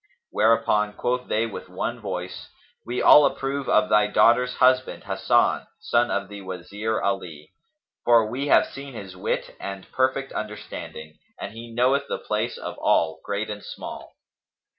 Whereupon quoth they with one voice, "We all approve of thy daughter's husband Hasan, son of the Wazir Ali; for we have seen his wit and perfect understanding, and he knoweth the place of all, great and small."